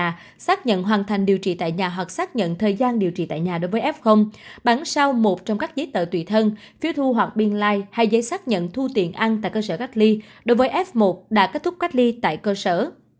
hà xác nhận hoàn thành điều trị tại nhà hoặc xác nhận thời gian điều trị tại nhà đối với f bản sao một trong các giấy tờ tùy thân phiếu thu hoặc biên lai hay giấy xác nhận thu tiền ăn tại cơ sở cách ly đối với f một đã kết thúc cách ly tại cơ sở